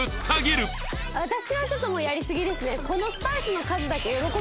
私はちょっともうやりすぎですね。